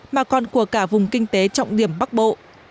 mà còn của cả vùng kinh tế trọng điểm bắc bộ